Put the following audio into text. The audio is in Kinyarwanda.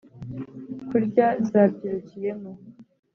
Kurya zabyirukiyemo